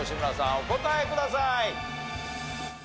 お答えください。